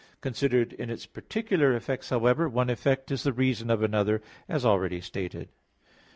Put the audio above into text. Considered in its particular effects, however, one effect is the reason of another; as already stated.